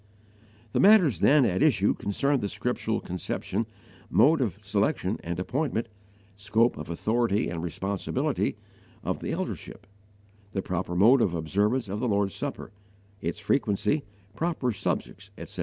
The matters then at issue concerned the scriptural conception, mode of selection and appointment, scope of authority and responsibility, of the Eldership; the proper mode of observance of the Lord's Supper, its frequency, proper subjects, etc.